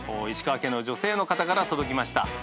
石川県の女性の方から届きました。